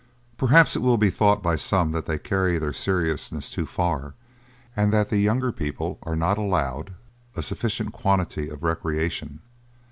Perhaps it will be thought by some that they carry their seriousness too far, and that the younger people are not allowed a sufficient quantity of recreation.